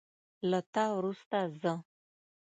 له تا وروسته زه